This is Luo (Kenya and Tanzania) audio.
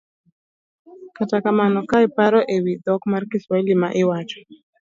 Kata kamano ka iparo e wi dhok mar Kiswahili ma iwacho,